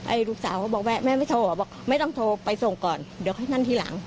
ลูกสาวเขาบอกแม่ไม่โทรบอกไม่ต้องโทรไปส่งก่อนเดี๋ยวให้นั่นทีหลัง